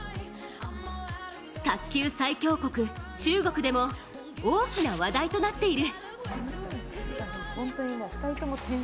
卓球最強国・中国でも大きな話題となっている。